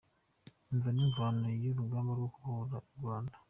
Imvo n’imvano y’urugamba rwo kubohora u Rwanda